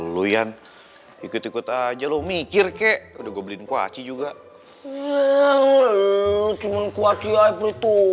luyan ikut ikut aja lo mikir kek udah gue beliin kuaci juga cuman kuat ya itu